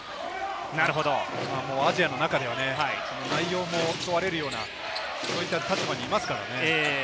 アジアの中では内容も問われるような、そういった立場にいますからね。